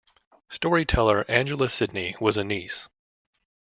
Storyteller Angela Sidney was a niece.